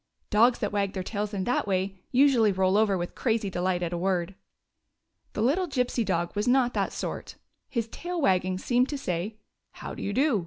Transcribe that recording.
" Dogs that wag their tails in that way usually roll over with crazy delight at a word. The little Gypsy dog was not that sort. His tail wagging seemed to say :" How do you do